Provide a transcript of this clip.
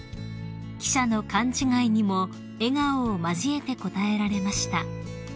［記者の勘違いにも笑顔を交えて応えられました］